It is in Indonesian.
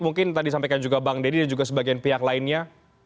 mungkin tadi sampaikan juga bang deddy dan juga sebagian pihak lainnya